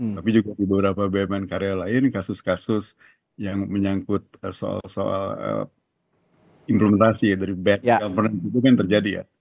tapi juga di beberapa bumn karya lain kasus kasus yang menyangkut soal soal implementasi dari bad governance itu kan terjadi ya